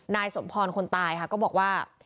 นายสมพรคนตายค่ะก็บอกว่า